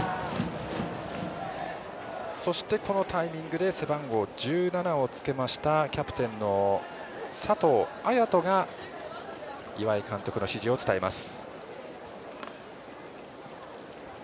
そして、このタイミングで背番号１７をつけましたキャプテンの佐藤綾斗が岩井監督の指示を伝えます。